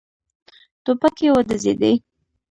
ټوپکې وډزېدې.